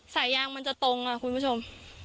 สายยางมันจะตรงค่ะคุณผู้ชม